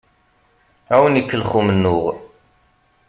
Ad awen-ikellex umennuɣ.